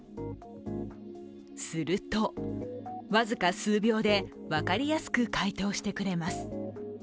すると、僅か数秒で分かりやすく回答してくれます。